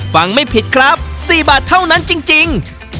ฟังไม่ผิดครับ๔บาทเท่านั้นจริง